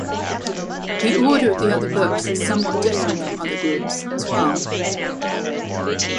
The order of the other books is somewhat different from other groups', as well.